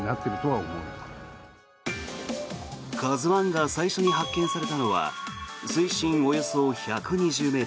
「ＫＡＺＵ１」が最初に発見されたのは水深およそ１２０ｍ。